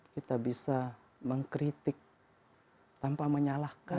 kita bisa mengkritik tanpa menyalahkan